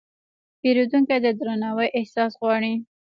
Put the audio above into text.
پیرودونکی د درناوي احساس غواړي.